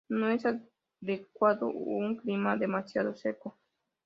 No es adecuado un clima demasiado seco.